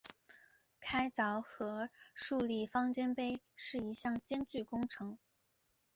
开凿和竖立方尖碑是一项艰巨工程。